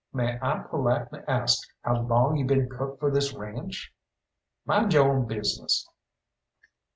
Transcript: May I politely ask how long you been cook for this ranche?" "Mind your own business."